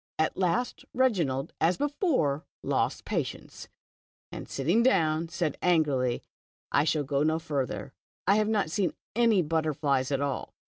At last, Reginald, as before, lost patience, and The Toad. i^n sitting down, said angrily : "I shall go no farther. I have not seen any butterflies at all."